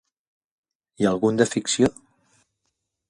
I algun de ficció?